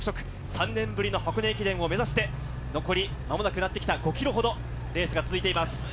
３年ぶりの箱根駅伝を目指して残り間もなくとなってきた５ｋｍほど、レースが続いています。